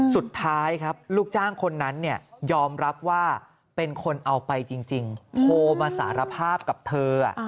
สุดท้ายครับลูกจ้างคนนั้นยอมรับว่าเป็นคนเอาไปจริงโทรมาสารภาพกับเธอ